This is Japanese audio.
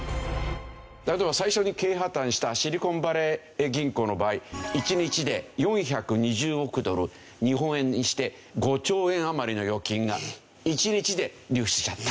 例えば最初に経営破たんしたシリコンバレー銀行の場合１日で４２０億ドル日本円にして５兆円余りの預金が１日で流出しちゃった。